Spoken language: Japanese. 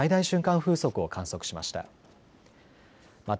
風速を観測しました。